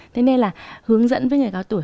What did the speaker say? thế nên là hướng dẫn với người cao tuổi